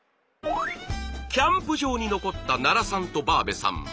キャンプ場に残った奈良さんとバーベさん。